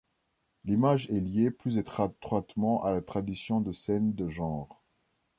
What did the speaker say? L'image est liée plus étroitement à la tradition de scène de genre.